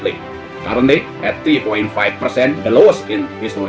sekarang pada tiga lima persen yang paling rendah di sejarah